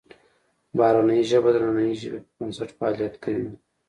بهرنۍ ژبه د دنننۍ ژبې پر بنسټ فعالیت کوي